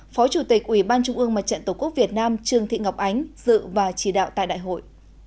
phó chủ tịch ủy ban trung ương mặt trận tổ quốc việt nam trương thị ngọc ánh dự và chỉ đạo tại đại hội